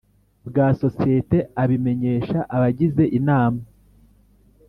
bwa sosiyete abimenyesha abagize Inama